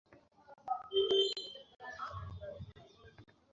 Barca ফুটবলারদের খেলোয়াড় হিসেবেই শুধু নয়, মানুষ হিসেবেও গড়ার চেষ্টা করে।